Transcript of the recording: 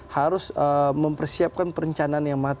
harus mempersiapkan perencanaan yang baik ini